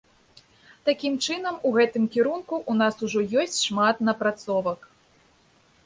Такім чынам, у гэтым кірунку ў нас ужо ёсць шмат напрацовак.